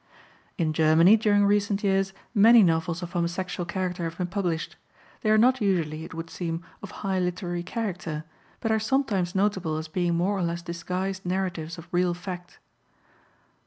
In Germany during recent years many novels of homosexual character have been published. They are not usually, it would seem, of high literary character, but are sometimes notable as being more or less disguised narratives of real fact.